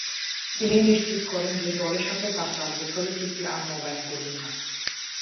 তিনি নিশ্চিত করেন যে দলের সাথে তার চার বছরের চুক্তি আর নবায়ন করবেন না।